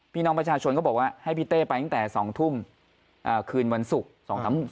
พี่น้องประชาชนเขาบอกว่าให้พี่เต้ไปตั้งแต่๒ทุ่มคืนวันศุกร์